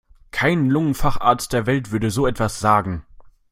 Kein Lungenfacharzt der Welt würde so etwas sagen.